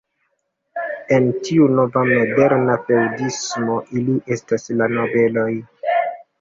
En tiu nova moderna feŭdismo ili estas la nobeloj.